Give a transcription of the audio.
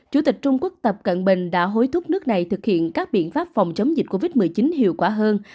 chủ tịch trung quốc tập cận bình đã hối thúc nước này thực hiện các biện pháp phòng chống dịch covid một mươi chín hiệu quả hơn